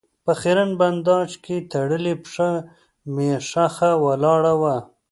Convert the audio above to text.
په خېرن بنداژ کې تړلې پښه مې ښخه ولاړه وه.